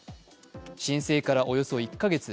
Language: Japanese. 申請からおよそ１か月。